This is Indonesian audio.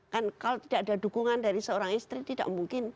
kan kalau tidak ada dukungan dari seorang istri tidak mungkin